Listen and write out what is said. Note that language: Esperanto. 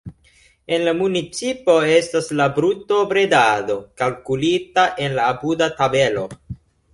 En la municipo estas la brutobredado kalkulita en la apuda tabelo.